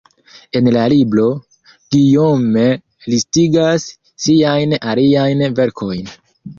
En la libro, Guillaume listigas siajn aliajn verkojn.